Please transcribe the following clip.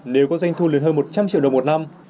nếu có doanh thu lớn hơn một trăm linh triệu đồng một năm